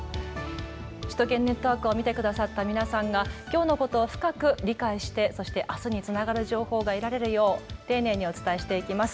首都圏ネットワークを見てくださった皆さんがきょうのことを深く理解してそしてあすにつながる情報が得られるよう丁寧にお伝えしていきます。